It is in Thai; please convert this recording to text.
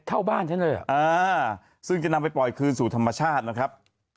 เข้าบ้านฉันเลยเหรออ่าซึ่งจะนำไปปล่อยคืนสู่ธรรมชาตินะครับ